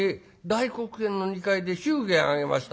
大黒屋の２階で祝言挙げました」。